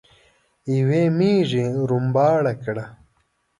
يوې ميږې رمباړه کړه.